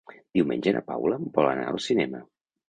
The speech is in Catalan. Diumenge na Paula vol anar al cinema.